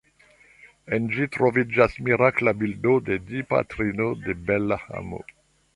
En ĝi troviĝas mirakla bildo de Dipatrino de Bela Amo.